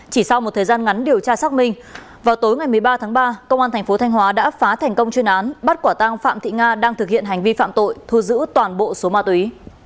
chỉ sau một thời gian ngắn điều tra xác minh vào tối ngày một mươi ba tháng ba công an thành phố thanh hóa đã phá thành công chuyên án bắt quả tăng phạm thị nga đang thực hiện hành vi phạm tội thu giữ toàn bộ số ma túy